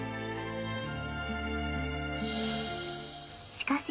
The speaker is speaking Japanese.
しかし